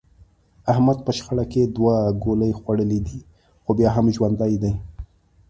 احمد په شخړه کې دوه ګولۍ خوړلې دي، خو بیا هم ژوندی دی.